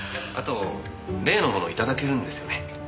あと例のものいただけるんですよね？